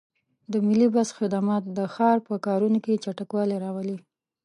د ملي بس خدمات د ښار په کارونو کې چټکوالی راولي.